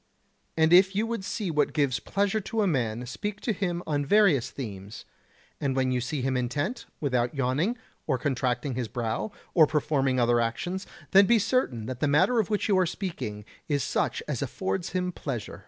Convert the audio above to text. And if you would see what gives pleasure to a man speak to him on various themes, and when you see him intent, without yawning, or contracting his brow, or performing other actions, then be certain that the matter of which you are speaking is such as affords him pleasure.